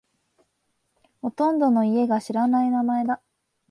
ほとんどの家が知らない名前だ。